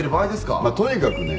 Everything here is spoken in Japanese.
まっとにかくね